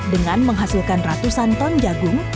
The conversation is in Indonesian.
dengan menghasilkan ratusan ton jagung